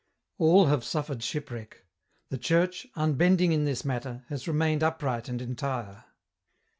32 EN ROUTE. All have suffered shipwreck. The Church, unbending in this matter, has remained upright and entire.